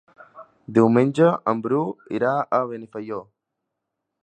Diumenge en Bru irà a Benifaió.